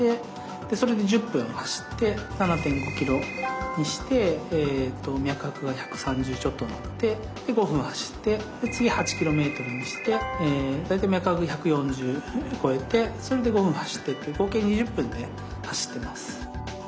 それで１０分走って７．５ｋｍにして脈拍は１３０ちょっとになって５分走って次は８ｋｍにして大体脈拍１４０超えてそれで５分走って合計２０分で走ってます。